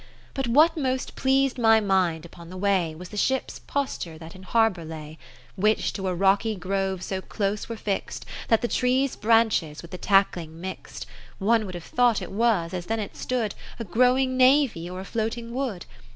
But what most pleased my mind upon the way, Was the ships' posture that in har bour lay : 50 Which to a rocky grove so close were fix'd, That the trees' branches with the tackling mix'd. One would have thought it was, as then it stood, A growing navy, or a floating wood.